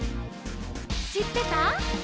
「しってた？」